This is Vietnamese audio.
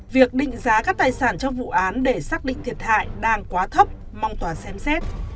việc định giá các tài sản trong vụ án để xác định thiệt hại đang quá thấp mong tòa xem xét